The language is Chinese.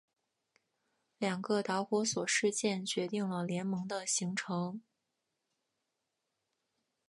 两个导火索事件决定了联盟的形成。